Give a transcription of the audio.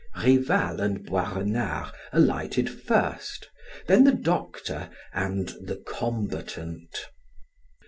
Rival and Boisrenard alighted first, then the doctor and the combatant.